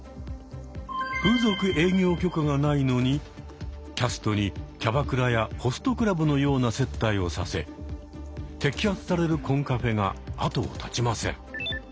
風俗営業許可がないのにキャストにキャバクラやホストクラブのような接待をさせ摘発されるコンカフェが後を絶ちません。